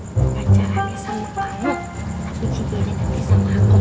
jangan dahulu sampai sampai bacaan kamu sama mama aja